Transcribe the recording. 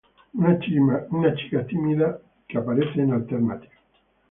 Una chica tímida que aparece en Alternative.